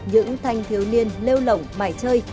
những thanh thiếu niên lêu lỏng mải chơi